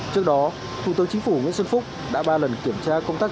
trước đó thủ tướng chính phủ nguyễn xuân phúc đã ba lần kiểm tra công tác